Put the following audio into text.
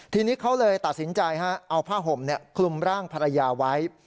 ทีนี้เขาเลยตัดสินใจเอาผ้าห่มคลุมร่างภรรยาไว้